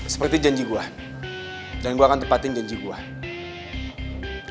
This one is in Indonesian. seperti janji gue dan gue akan tepatin janji gue